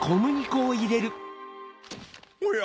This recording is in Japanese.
おや？